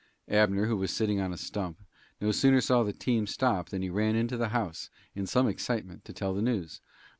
Abner, who was sitting on a stump, no sooner saw the team stop than he ran into the house, in some excitement, to tell the news.